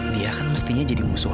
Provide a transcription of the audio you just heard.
dia kan mestinya jadi musuh